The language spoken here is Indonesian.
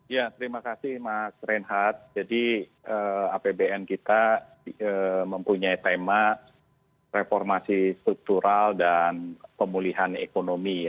ya terima kasih mas reinhardt jadi apbn kita mempunyai tema reformasi struktural dan pemulihan ekonomi